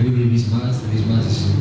jangan dan ketika merekaribution hanya vaubab